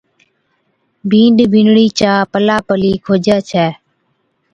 بِينڏَ بِينڏڙِي چا پلا پلِي کوجي ڇَي